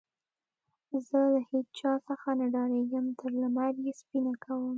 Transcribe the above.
زه له هيچا څخه نه ډارېږم؛ تر لمر يې سپينه کوم.